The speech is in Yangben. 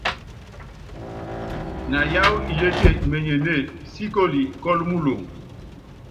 Na yááwu ilétie imenyenée, síkoli kɔ́lɔ muloŋo.